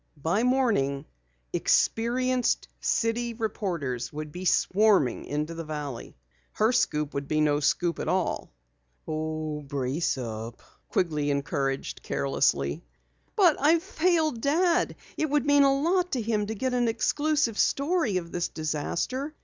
By morning experienced city reporters and photographers would swarm into the valley. Her scoop would be no scoop at all. "Oh, brace up," Quigley encouraged carelessly. "But I've failed Dad. It would mean a lot to him to get an exclusive story of this disaster.